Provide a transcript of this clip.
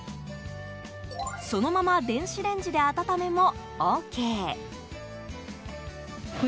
そのまま電子レンジで温めもＯＫ。